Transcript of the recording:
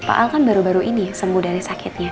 pak al kan baru baru ini sembuh dari sakitnya